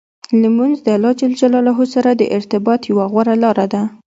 لمونځ د الله جل جلاله سره د ارتباط یوه غوره لار ده.